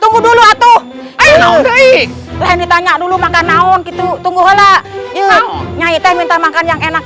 tunggu dulu atuh eh noi tanya dulu makan naon gitu tunggu hola nyanyi teh minta makan yang enak